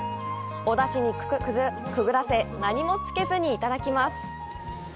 お出汁にくぐらせ何もつけずにいただきます。